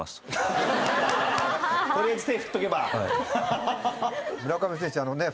取りあえず手振っとけば。